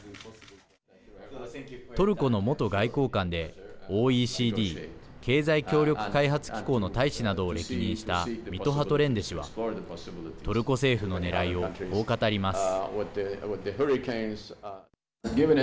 トルコの元外交官でＯＥＣＤ＝経済協力開発機構の大使などを歴任したミトハト・レンデ氏はトルコ政府のねらいをこう語ります。